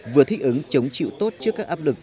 vừa thích ứng chống chịu tốt trước các áp lực